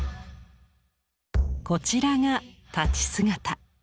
こちらが立ち姿